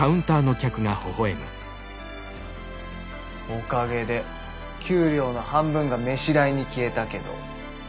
おかげで給料の半分が飯代に消えたけど。